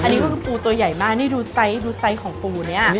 อันนี้ก็คือหุ้ยตัวใหญ่ดูไซส์ของปูเนี่ย